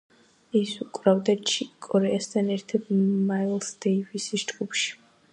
ის უკრავდა ჩიკ კორეასთან ერთად მაილს დეივისის ჯგუფში.